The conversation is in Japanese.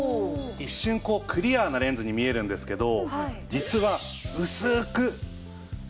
一瞬こうクリアなレンズに見えるんですけど実は薄く色が入ってるんですね。